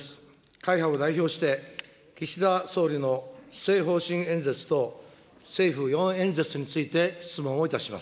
会派を代表して、岸田総理の施政方針演説と政府４演説について質問をいたします。